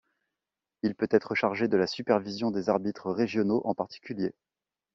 Il peut être chargé de la supervision des arbitres régionaux en particulier.